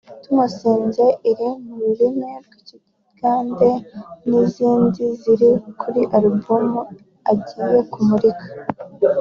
“Tumusinze” iri mu rurimi rw’Ikigande n’izindi ziri kuri album agiye kumurika